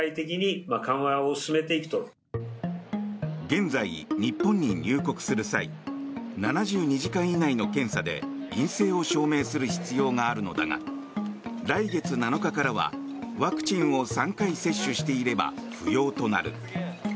現在、日本に入国する際７２時間以内の検査で陰性を証明する必要があるのだが来月７日からはワクチンを３回接種していれば不要となる。